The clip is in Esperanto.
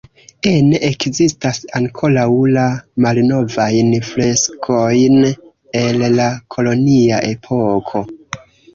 Ene ekzistas ankoraŭ la malnovajn freskojn el la kolonia epoko.